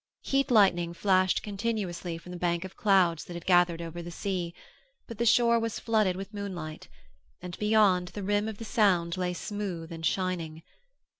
Heat lightning flashed continuously from the bank of clouds that had gathered over the sea, but the shore was flooded with moonlight and, beyond, the rim of the Sound lay smooth and shining.